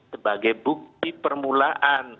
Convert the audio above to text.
sebagai bukti permulaan